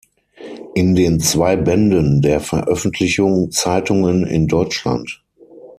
In den zwei Bänden der Veröffentlichung „Zeitungen in Deutschland.